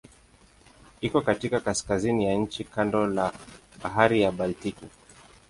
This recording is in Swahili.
Iko katika kaskazini ya nchi kando la Bahari ya Baltiki.